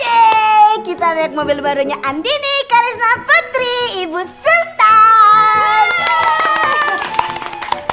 yeayy kita naik mobil barunya andini karisma patri ibu sultan